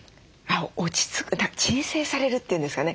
鎮静されるっていうんですかね。